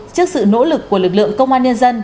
trước sự nỗ lực của lực lượng công an nhân dân